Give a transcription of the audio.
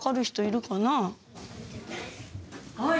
はい。